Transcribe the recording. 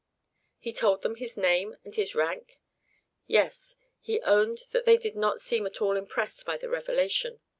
"He told them his name and his rank?" "Yes; and he owned that they did not seem at all impressed by the revelation.